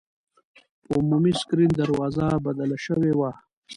په عمومي سکرین دروازه بدله شوې وه.